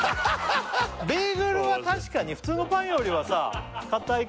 ベーグルは確かに普通のパンよりはさ硬い